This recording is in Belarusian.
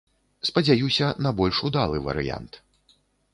Спадзяюся на больш удалы варыянт.